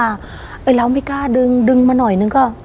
ไปแล้วไม่กล้าดึงดึงมาหน่อยนึงก็